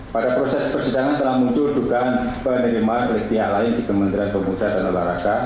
pada proses persidangan telah muncul dugaan penerimaan oleh pihak lain di kementerian pemuda dan olahraga